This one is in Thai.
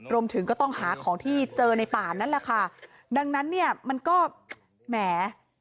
รวมถึงก็ต้องหาของที่เจอในป่านั่นแหละค่ะดังนั้นเนี่ยมันก็แหม